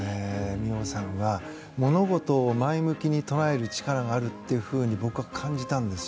実生さんが物事を前向きに捉える力があるというふうに僕は感じたんです。